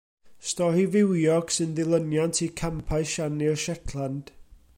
Stori fywiog sy'n ddilyniant i Campau Siani'r Shetland.